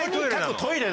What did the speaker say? トイレ